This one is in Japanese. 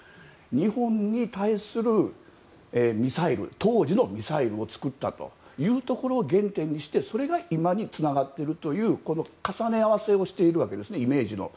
日本に対するミサイル当時のミサイルを作ったというところを原点にしてそれが今につながっているという重ね合わせをしているわけですイメージの。